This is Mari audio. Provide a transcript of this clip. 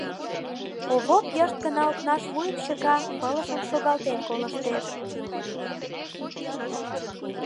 Овоп йышт гына окнаш вуйым чыка, пылышым шогалтен колыштеш.